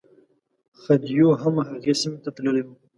خدیو هم هغې سیمې ته تللی و.